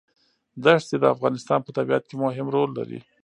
دښتې د افغانستان په طبیعت کې مهم رول لري.